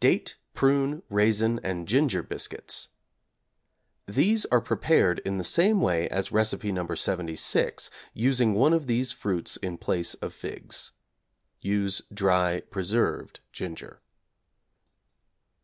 =Date, Prune, Raisin, and Ginger Biscuits= These are prepared in the same way as Recipe No. 76, using one of these fruits in place of figs. (Use dry preserved ginger).